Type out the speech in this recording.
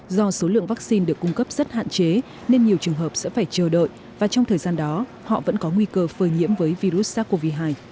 do số lượng vaccine được cung cấp rất hạn chế nên nhiều trường hợp sẽ phải chờ đợi và trong thời gian đó họ vẫn có nguy cơ phơi nhiễm với virus sars cov hai